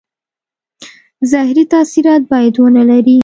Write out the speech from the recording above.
زهري تاثیرات باید ونه لري.